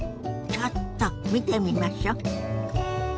ちょっと見てみましょ。